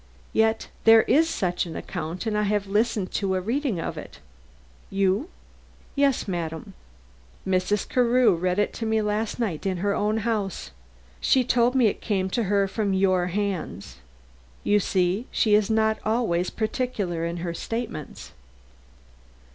"Yet there is such an account and I have listened to a reading of it." "You?" "Yes, madam. Mrs. Carew read it to me last night in her own house. She told me it came to her from your hands. You see she is not always particular in her statements."